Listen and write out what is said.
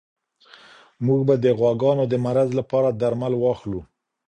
موږ به د غواګانو د مرض لپاره درمل واخلو.